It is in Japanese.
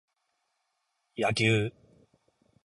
柳生